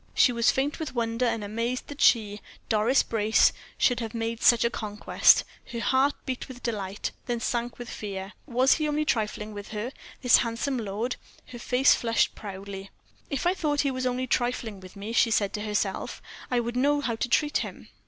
She was faint with wonder, and amazed that she, Doris Brace should have made such a conquest; her heart beat with delight, then sank with fear. Was he only trifling with her, this handsome lord? Her face flushed proudly. "If I thought he was only trifling with me," she said to herself, "I should know how to treat him."